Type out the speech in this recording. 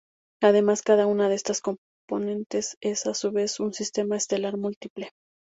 Además, cada una de estas componentes es, a su vez, un sistema estelar múltiple.